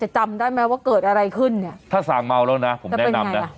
จำได้ไหมว่าเกิดอะไรขึ้นเนี่ยถ้าสั่งเมาแล้วนะผมแนะนำนะ